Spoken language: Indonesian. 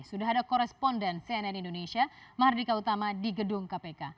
sudah ada koresponden cnn indonesia mahardika utama di gedung kpk